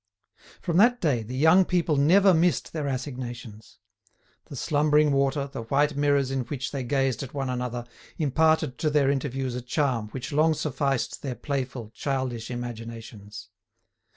From that day, the young people never missed their assignations. The slumbering water, the white mirrors in which they gazed at one another, imparted to their interviews a charm which long sufficed their playful, childish imaginations.